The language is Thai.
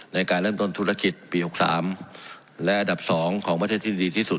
ในการเริ่มต้นธุรกิจปี๖๓และอันดับ๒ของประเทศที่ดีที่สุด